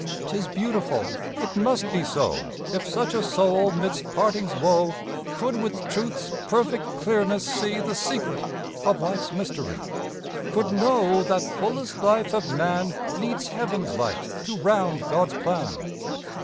"'Tis beautiful!" It must be so, If such a soul 'midst parting's woe, Could with truth's perfect clearness see The secret of life's mystery; Could know that fullest life of man Needs heaven's light to round God's plan.